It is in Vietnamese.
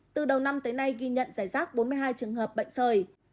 từ đầu năm tới nay ghi nhận giải rác bốn mươi hai trường hợp bệnh sởi